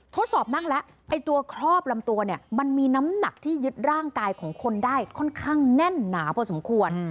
ทดสอบนั่งแล้วไอ้ตัวครอบลำตัวเนี่ยมันมีน้ำหนักที่ยึดร่างกายของคนได้ค่อนข้างแน่นหนาพอสมควร